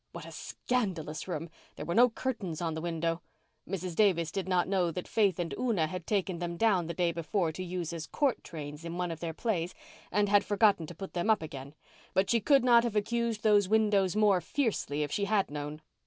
What a scandalous room! There were no curtains on the window. Mrs. Davis did not know that Faith and Una had taken them down the day before to use as court trains in one of their plays and had forgotten to put them up again, but she could not have accused those windows more fiercely if she had known.